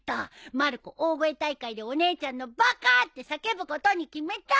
まる子大声大会で「お姉ちゃんのバカ！」って叫ぶことに決めた！